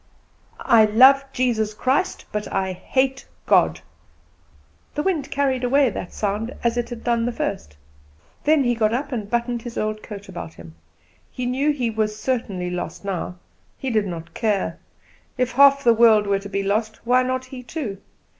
"I love Jesus Christ, but I hate God." The wind carried away that sound as it had done the first. Then he got up and buttoned his old coat about him. He knew he was certainly lost now; he did not care. If half the world were to be lost, why not he too?